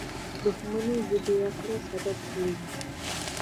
• دښمني د بې عقلی سبب کېږي.